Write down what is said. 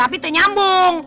tapi tidak nyambung